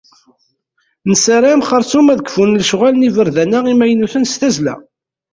Nessaram xeṛsum, ad kfun lecɣal n yiberdan-a imaynuten s tazzla.